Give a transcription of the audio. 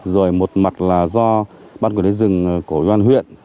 rồi một mặt là do ban quản lý rừng của yên an huyện